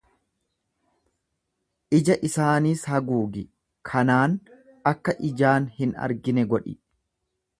Ija isaaniis haguugi, kanaan akka ijaan hin argine godhi.